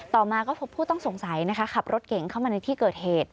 ต่อมาก็พบผู้ต้องสงสัยนะคะขับรถเก่งเข้ามาในที่เกิดเหตุ